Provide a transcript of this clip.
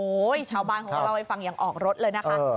โอ๊ยชาวบ้านของเราไอ้ฟังยังออกรถเลยนะคะ